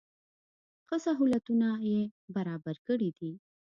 ښه سهولتونه یې برابر کړي دي.